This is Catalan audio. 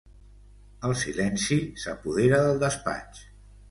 El silenci s'apodera del despatx.